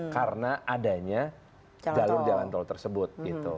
karena adanya jalur jalan tol tersebut